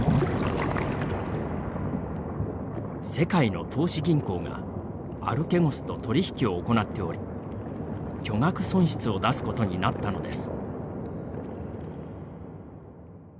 世界の投資銀行がアルケゴスと取り引きを行っており巨額損失を出すことになったのです。